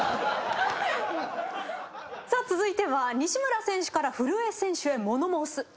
続いては西村選手から古江選手へ物申す。